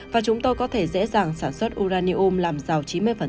và chúng tôi có thể dễ dàng sản xuất uranium làm rào chín mươi